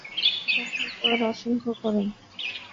তিনি গ্রেপ্তার হয়ে যাওয়ার আশঙ্কা করেন।